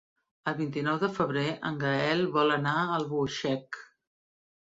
El vint-i-nou de febrer en Gaël vol anar a Albuixec.